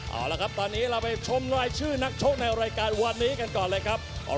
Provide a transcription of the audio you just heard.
เอาละครับตอนนี้เราไปชมรายชื่อนักชกในรายการวันนี้กันก่อนเลยครับ